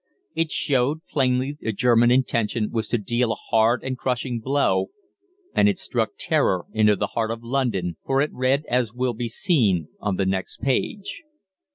It showed plainly the German intention was to deal a hard and crushing blow, and it struck terror into the heart of London, for it read as will be seen on next page.